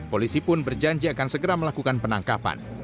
polisi pun berjanji akan segera melakukan penangkapan